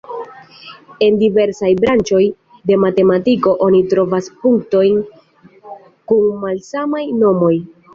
En diversaj branĉoj de matematiko oni trovas punktojn kun malsamaj nomoj.